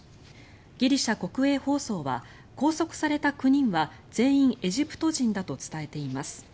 ギリシャ国営放送は拘束された９人は全員、エジプト人だと伝えています。